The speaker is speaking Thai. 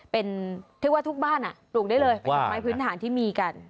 เป็นที่ว่าทุกบ้านปลูกได้เลยเป็นผลิตภัณฑ์ที่มีกัน